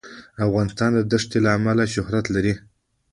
افغانستان د ښتې له امله شهرت لري.